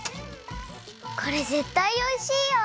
これぜったいおいしいよ。